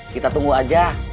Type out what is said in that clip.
kita tunggu aja